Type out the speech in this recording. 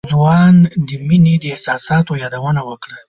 ځوان د مينې د احساساتو يادونه وکړه.